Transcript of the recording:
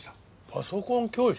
パソコン教室？